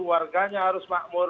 warganya harus makmur